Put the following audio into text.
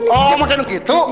oh makanya gitu